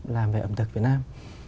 làm về ẩm thực việt nam